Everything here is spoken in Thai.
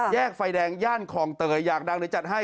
แยกไฟแดงย่านของเตยอยากดังเลยจัดให้